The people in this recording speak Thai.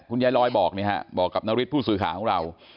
คุณยายลอยบอกนี่ฮะบอกกับนฤทธิ์ผู้สื่อขาของเรา